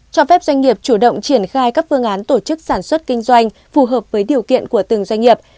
cho phép doanh nghiệp chủ động triển khai các phương án tổ chức sản xuất kinh doanh phù hợp với điều kiện của từng doanh nghiệp